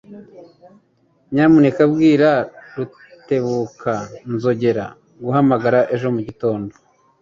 Nyamuneka bwira Rutebuka nzongera guhamagara ejo mugitondo.